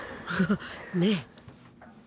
ねえ。